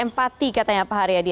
empati katanya pak haryadi